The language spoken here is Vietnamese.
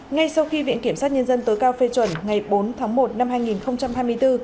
ngay sau khi viện kiểm sát nhân dân tối cao phê chuẩn ngày bốn tháng một năm hai nghìn hai mươi bốn